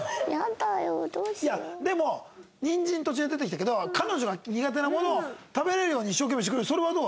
いやでもニンジン途中で出てきたけど彼女が苦手なものを食べられるように一生懸命してくれるそれはどう？